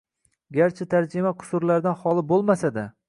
Garchi tarjima qusurlardan xoli bo’lmasa-da.